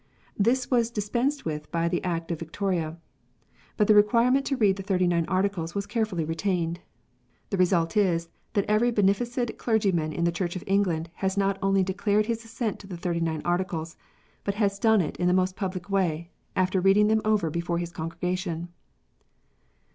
This was dispensed with by the Act of Victoria. But therequirementto read theThirty nine Articles icas carefully retained ! The result is, that every beneficed clergyman in the Church of England has not only de clared his assent to the Thirty nine Articles, but has done it in the most public way, after reading them over before his congregation.